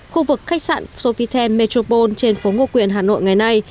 khu vực khách sạn sofitel metropole trên phố ngô quyền hà nội ngày nay